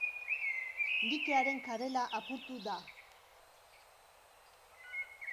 Dikearen karela apurtu da.